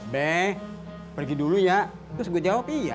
beh pergi dulu ya terus gue jawab iya